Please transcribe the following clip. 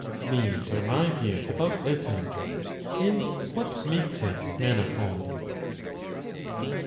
These are my views about essence and what makes it manifold.